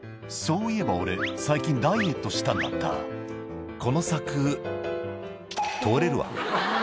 「そういえば俺最近ダイエットしたんだった」「この柵通れるわ」